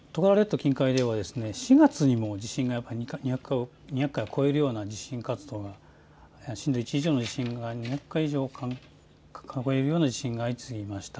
近海では４月にも地震が、２００回を超えるような地震活動が震度１以上の地震が２００回以上観測されるような地震が相次いでいました。